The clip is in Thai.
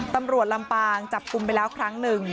ตำรวจลำปางจับกลุ่มไปแล้วครั้งหนึ่ง